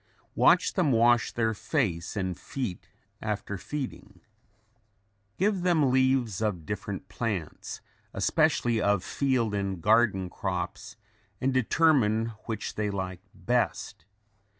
Watch them wash their face and feet after feeding. Give them leaves of different plants, especially of field and garden crops and determine which they like best.